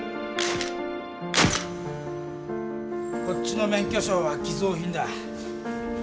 こっちの免許証は偽造品だ。